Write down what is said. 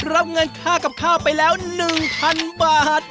รับเงินค่ากับข้าวไปแล้ว๑๐๐๐บาท